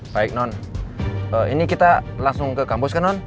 baik non ini kita langsung ke kampus kan non